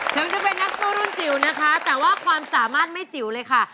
ถึงจะเป็นนักสู้รุ่นจิ๋วนะคะแต่ว่าความสามารถไม่จิ๋วเลยค่ะ